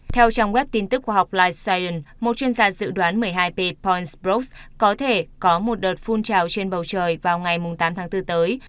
theo trong web tin tức khoa học lightsciences một chuyên gia dự đoán một mươi hai p pons brookes có thể có một đợt phun trào trên bầu trời vào ngày tám tháng bốn tới